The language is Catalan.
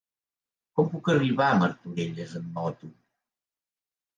Com puc arribar a Martorelles amb moto?